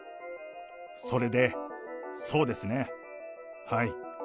それで、そうですね、はい。